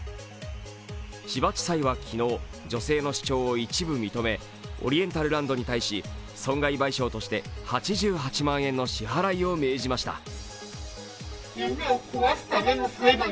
千葉地裁は昨日、女性の主張を一部認めオリエンタルランドに対し、損害賠償として８８万円の支払いを命じました。